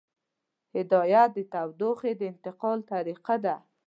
هدایت د تودوخې د انتقال طریقه ده.